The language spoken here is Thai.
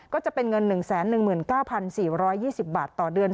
ก็จะเป็นเงินหนึ่งแสนหนึ่งหมื่นเก้าพันสี่ร้อยยี่สิบบาทต่อเดือน